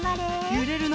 ゆれるな！